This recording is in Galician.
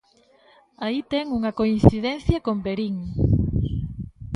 Aí ten unha coincidencia con Verín.